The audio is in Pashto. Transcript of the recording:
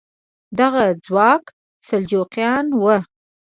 دغه ځواک سلجوقیان وو.